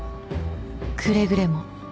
くれぐれも。